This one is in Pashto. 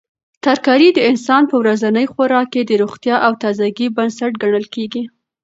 ترکاري د انسان په ورځني خوراک کې د روغتیا او تازګۍ بنسټ ګڼل کیږي.